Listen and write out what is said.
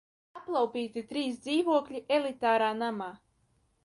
Aplaupīti trīs dzīvokļi elitārā namā!